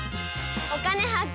「お金発見」。